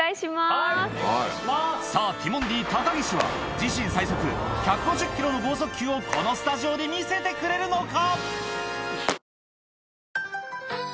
ティモンディ・高岸は自身最速１５０キロの剛速球をこのスタジオで見せてくれるのか？